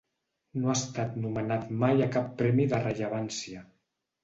No ha estat nomenat mai a cap premi de rellevància.